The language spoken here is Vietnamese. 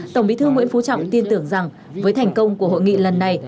tổng bí thư nguyễn phú trọng tin tưởng rằng với thành công của hội nghị lần này